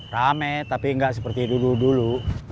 rame tapi nggak seperti dulu dulu